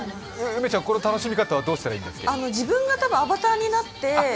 梅ちゃん、この楽しみ方はどうしたらいいの？